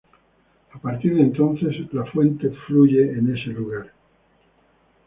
A partir de entonces, la fuente fluye en ese lugar.